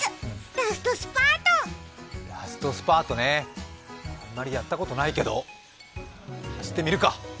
ラストスパートね、あんまりやったことないけど走ってみるか！